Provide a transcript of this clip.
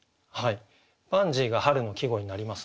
「パンジー」が春の季語になりますね。